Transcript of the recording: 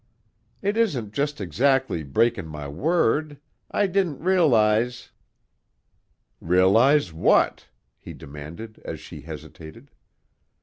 It isn't just exactly breakin' my word; I didn't realize " "Realize what?" he demanded as she hesitated.